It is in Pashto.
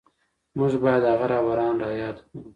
موږ بايد هغه رهبران را ياد کړو.